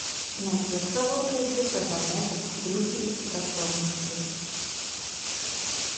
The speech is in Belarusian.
Найперш гаворка ідзе пра дамову аб дружбе і супрацоўніцтве.